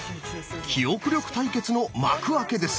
記憶力対決の幕開けです。